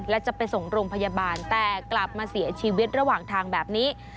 และจะไปส่งโรงพยาบาลแต่กลับมาเสียชีวิตระหว่างทางแบบนี้